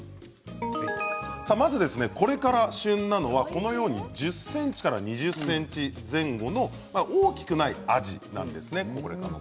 これから旬なのは１０ｃｍから２０ｃｍ前後の大きくないアジ。